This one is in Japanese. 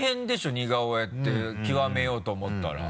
似顔絵って極めようと思ったら。